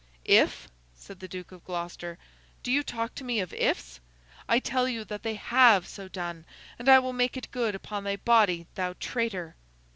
'If?' said the Duke of Gloucester; 'do you talk to me of ifs? I tell you that they have so done, and I will make it good upon thy body, thou traitor!